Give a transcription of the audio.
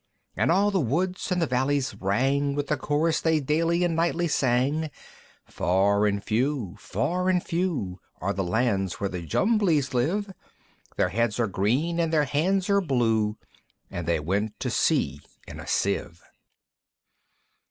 And all the woods and the valleys rang With the Chorus they daily and nightly sang, "_Far and few, far and few, Are the lands where the Jumblies live; Their heads are green, and their hands are blue, And they went to sea in a Sieve.